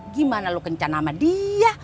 gimana lu kencan sama dia